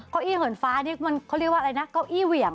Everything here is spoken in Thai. เก้าอี้เหินฟ้านี่มันเขาเรียกว่าอะไรนะเก้าอี้เหวี่ยง